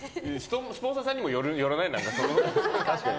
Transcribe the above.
スポンサーさんにもよらない？